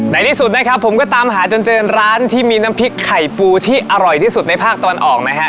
ในที่สุดนะครับผมก็ตามหาจนเจอร้านที่มีน้ำพริกไข่ปูที่อร่อยที่สุดในภาคตะวันออกนะฮะ